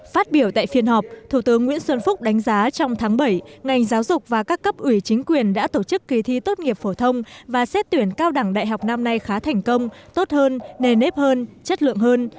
phát biểu tại phiên họp thủ tướng nguyễn xuân phúc đánh giá trong tháng bảy ngành giáo dục và các cấp ủy chính quyền đã tổ chức kỳ thi tốt nghiệp phổ thông và xét tuyển cao đẳng đại học năm nay khá thành công tốt hơn nề nếp hơn chất lượng hơn